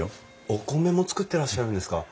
お米も作ってらっしゃるんですか？